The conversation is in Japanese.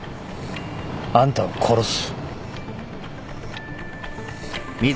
あんたを殺す。